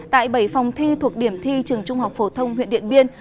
tại bảy phòng thi thuộc điểm thi trường trung học phổ thông huyện điện biên